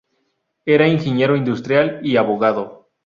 Era ingeniero industrial y abogado.